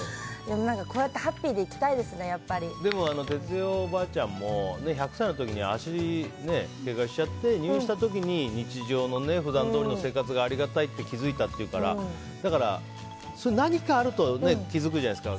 こうやってハッピーででも、哲代おばあちゃんも１００歳の時に足をけがしちゃって入院した時に日常の普段どおりの生活がありがたいって気づいたっていうからだから、何かあると気づくじゃないですか。